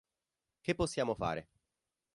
Che possiamo fare?